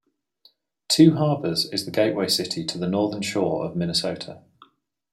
Two Harbors is the gateway city to the Northern Shore of Minnesota.